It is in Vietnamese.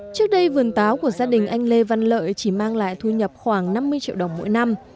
trước đây vườn táo của gia đình anh lê văn lợi chỉ mang lại thu nhập khoảng năm mươi triệu đồng mỗi năm